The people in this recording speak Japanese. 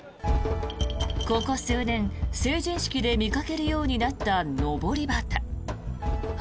ここ数年、成人式で見かけるようになったのぼり旗。